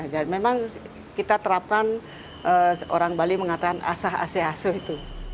jadi memang kita terapkan orang bali mengatakan asah asih asyuh itu